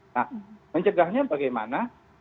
nah mencegahnya bagaimana